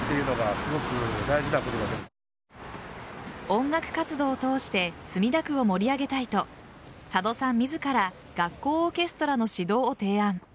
音楽活動を通して墨田区を盛り上げたいと佐渡さん自ら学校オーケストラの指導を提案。